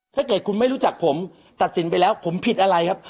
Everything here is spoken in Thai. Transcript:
ถ้าเกิดคุณไม่รู้จักผมตัดสินไปแล้วผมผิดอะไรครับ